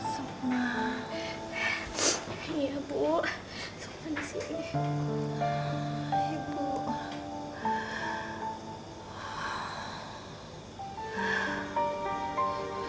sukma iya bu sukma di sini ibu